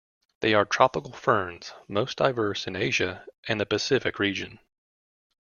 They are tropical ferns, most diverse in Asia and the Pacific region.